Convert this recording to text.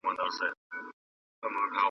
نه یې غم وو چي یې کار د چا په ښه دی .